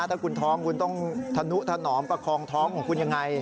ถ้าคุณท้องคุณต้องธนุถนอมประคองท้องของคุณยังไง